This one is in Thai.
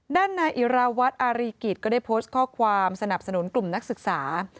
ด้านนายอิราวัตรอารีกิจก็ได้โพสต์ข้อความสนับสนุนกลุ่มนักศึกษา